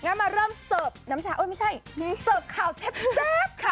งั้นมาเริ่มเสิร์ฟข่าวเซ็ก